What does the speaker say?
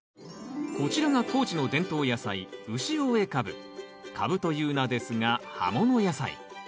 こちらが高知の伝統野菜カブという名ですが葉もの野菜。